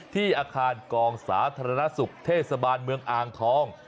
ที่อาคารกองสาธารณสุขเทศบาลเมืองอ่างทอง